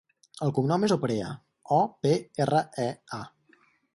El cognom és Oprea: o, pe, erra, e, a.